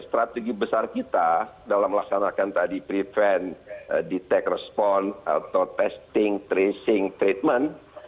strategi besar kita dalam melaksanakan tadi prevent detect respon atau testing tracing treatment